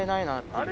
あれ？